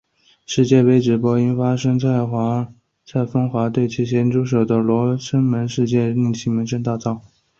世界杯直播期间因发生蔡枫华对其咸猪手的罗生门事件令其声名大噪。